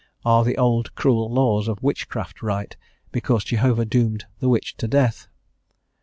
Are the old cruel laws of witchcraft right, because Jehovah doomed the witch to death?